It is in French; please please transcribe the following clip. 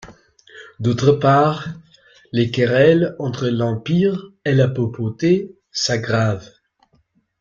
D'autre part, les querelles entre l'empire et la papauté s'aggravent.